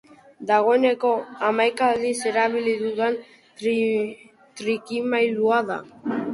Dagoeneko hamaika aldiz erabili dudan trikimailua da.